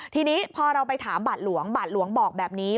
ทีนี้พอเราไปถามบาทหลวงบาทหลวงบอกแบบนี้